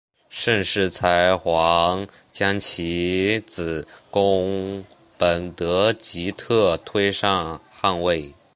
盛世才还将其子恭本德吉特推上汗位。